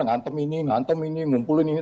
ngantem ini ngantem ini ngumpulin ini